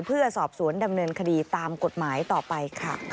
เพื่อสอบสวนดำเนินคดีตามกฎหมายต่อไปค่ะ